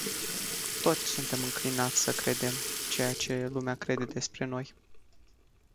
Toți suntem înclinați să credem ceea ce lumea crede despre noi.